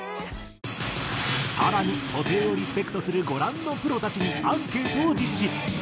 更に布袋をリスペクトするご覧のプロたちにアンケートを実施。